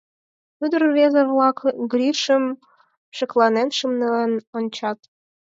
Ӱдыр-рвезе-влак Гришым шекланен-шымлен ончат.